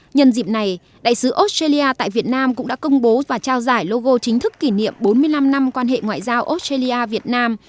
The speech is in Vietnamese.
nhân dịp này đại sứ australia tại việt nam cũng đã công bố và trao giải logo chính thức kỷ niệm bốn mươi năm năm quan hệ ngoại giao australia việt nam